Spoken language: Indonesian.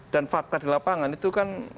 dan fakta di lapangan itu kan